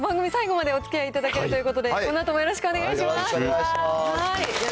番組最後までおつきあいいただけるということで、このあともよろよろしく。